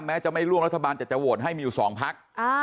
จะไม่ร่วมรัฐบาลแต่จะโหวตให้มีอยู่๒พัก